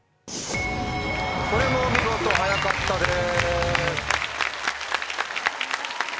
これもお見事早かったです。